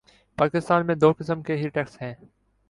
پاکستان میں دو قسم کے ہی ٹیکس ہیں۔